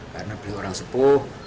karena beliau orang sepuh